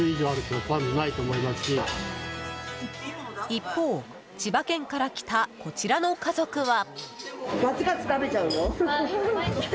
一方、千葉県から来たこちらの家族は。